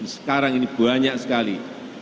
sekarang ini banyak sekali